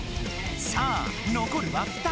さあ残るは２人。